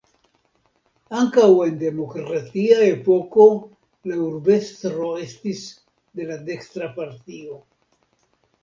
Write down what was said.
Ankaŭ en demokratia epoko la urbestro estis de la dekstra partio.